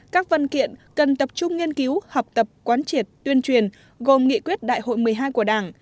các văn kiện cần tập trung nghiên cứu học tập quán triệt tuyên truyền gồm nghị quyết đại hội một mươi hai của đảng